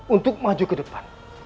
untuk maju ke depan